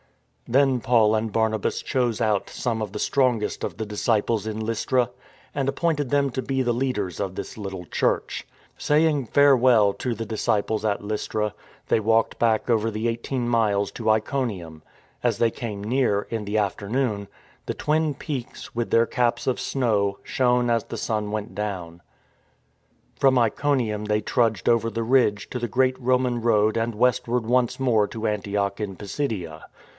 Then Paul and Barnabas chose out some of the strongest of the disciples in Lystra and appointed 152 THE FORWARD TREAD them to be the leaders of the little church. Saying " Farewell " to the disciples at Lystra, they walked back over the eighteen miles to Iconium. As they came near, in the afternoon, the twin peaks, with their caps of snow, shone as the sun went down. From Iconium they trudged over the ridge to the great Roman road and westward once more to Anti och in Pisidia.